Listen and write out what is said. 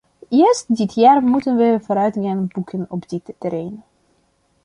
Juist dit jaar moeten we vooruitgang boeken op dit terrein.